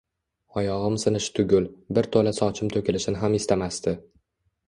Oyog`im sinishi tugul, bir tola sochim to`kilishini ham istamasdi